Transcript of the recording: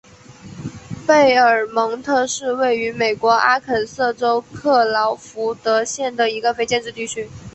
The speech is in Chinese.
贝尔蒙特是位于美国阿肯色州克劳福德县的一个非建制地区。